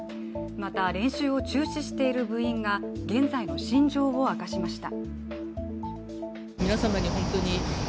また練習を中止している部員が現在の心情を明かしました。